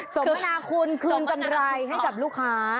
สมทนาคุณคืนกำไรให้กับลูกค้า